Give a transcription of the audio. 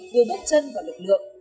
vừa bước chân vào lực lượng